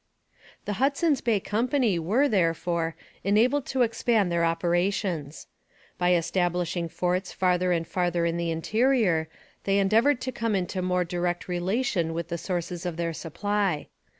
The Hudson's Bay Company were, therefore, enabled to expand their operations. By establishing forts farther and farther in the interior they endeavoured to come into more direct relation with the sources of their supply.